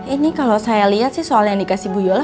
ini kalau saya lihat sih soal yang dikasih bu yola